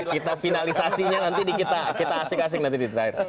kita finalisasinya nanti kita asik asik nanti di terakhir